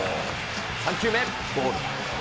３球目ボール。